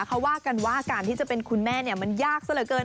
เขาว่ากันว่าการที่จะเป็นคุณแม่มันยากซะเหลือเกิน